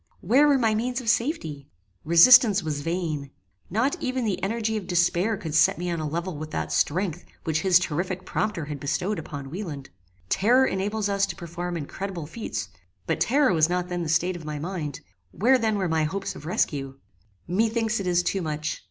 Where were my means of safety? Resistance was vain. Not even the energy of despair could set me on a level with that strength which his terrific prompter had bestowed upon Wieland. Terror enables us to perform incredible feats; but terror was not then the state of my mind: where then were my hopes of rescue? Methinks it is too much.